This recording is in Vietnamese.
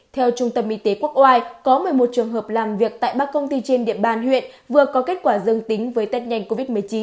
theo trung tâm y tế quốc oai có một mươi một trường hợp làm việc tại ba công ty trên địa bàn huyện vừa có kết quả dương tính với tết nhanh covid một mươi chín